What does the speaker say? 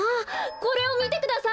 これをみてください！